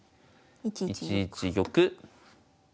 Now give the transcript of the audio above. １一玉。